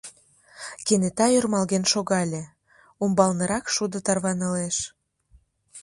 Кенета ӧрмалген шогале: умбалнырак шудо тарванылеш.